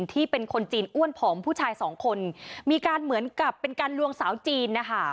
ที่เป็นคนจีนอ้วนผอมผู้ชายสองคนมีการเหมือนกับเป็นการลวงสาวจีนนะคะ